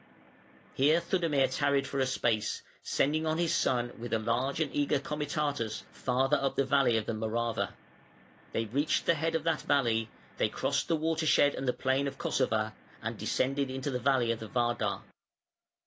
Here Theudemir tarried for a space, sending on his son with a large and eager comitatus farther up the valley of the Morava. They reached the head of that valley, they crossed the watershed and the plain of Kossova, and descended the valley of the Vardar.